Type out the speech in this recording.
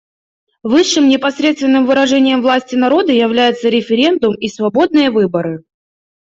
Высшим непосредственным выражением власти народа являются референдум и свободные выборы.